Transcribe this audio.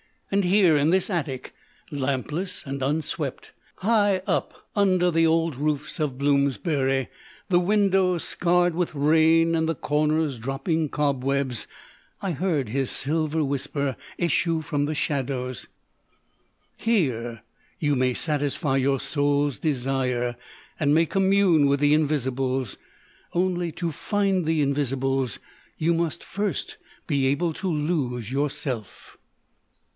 And here, in this attic (lampless and unswept), high up under the old roofs of Bloomsbury, the win dow scarred with rain and the corners dropping cobwebs, I heard his silver whisper issue from the shadows :" Here you may satisfy your soul's desire and may commune with the Invisibles ; only, to find the Invisibles, you must first be able to lose your self."